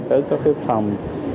tới các cái phòng